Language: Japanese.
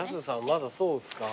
まだそうっすか。